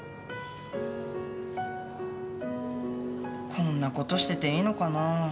こんなことしてていいのかな。